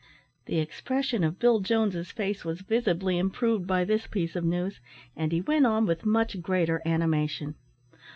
The expression of Bill Jones's face was visibly improved by this piece of news, and he went on with much greater animation.